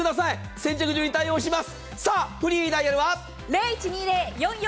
先着順に対応します。